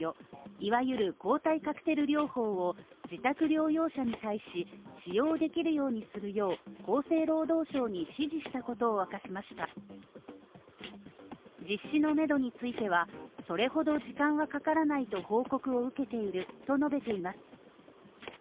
いわゆる抗体カクテル療法を自宅療養者に対し使用できるようにするよう厚生労働省に指示したことを明かしました実施のメドについてはそれほど時間はかからないと報告を受けていると述べています